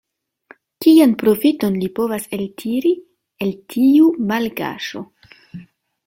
Kian profiton li povas eltiri el tiu malkaŝo?